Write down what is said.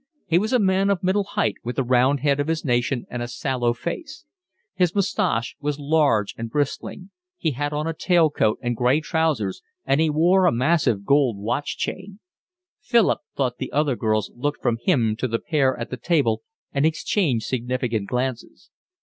He was a man of middle height, with the round head of his nation and a sallow face; his moustache was large and bristling; he had on a tail coat and gray trousers, and he wore a massive gold watch chain. Philip thought the other girls looked from him to the pair at the table and exchanged significant glances.